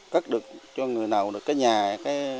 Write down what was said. cất được cho người nào được cái nhà